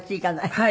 はい。